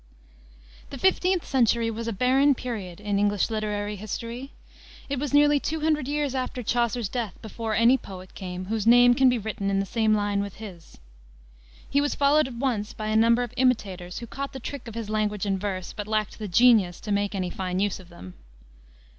The 15th century was a barren period in English literary history. It was nearly two hundred years after Chaucer's death before any poet came, whose name can be written in the same line with his. He was followed at once by a number of imitators who caught the trick of his language and verse, but lacked the genius to make any fine use of them.